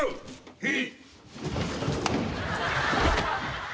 へい。